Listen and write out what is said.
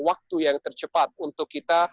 waktu yang tercepat untuk kita